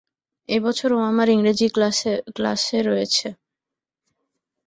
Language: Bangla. এবছর ও আমার ইংরেজি ক্লাসে রয়েছে।